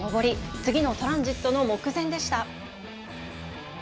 次のトランジットの目前でした。